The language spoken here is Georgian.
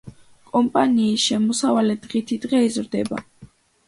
კომპანიის შემოსავალი დღითიდღე იზრდება.